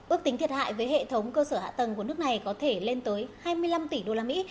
ước tính thiệt hại với hệ thống cơ sở hạ tầng của nước này có thể lên tới hai mươi năm tỷ usd